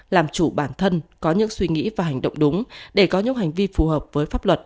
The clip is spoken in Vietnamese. làm chủ bản thân có những suy nghĩ và hành động đúng để có những hành vi phù hợp với pháp luật